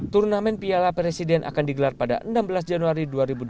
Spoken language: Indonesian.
turnamen piala presiden akan digelar pada enam belas januari dua ribu delapan belas